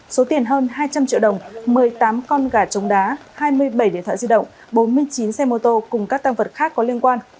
số tiền hơn hai trăm linh triệu đồng một mươi tám con gà trống đá hai mươi bảy điện thoại di động bốn mươi chín xe mô tô cùng các tăng vật khác có liên quan